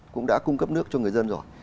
cũng đã cung cấp nước cho người dân rồi